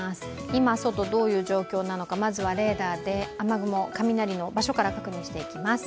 今、外どういう状況なのか、まずはレーダーで雨雲、雷の場所から確認していきます。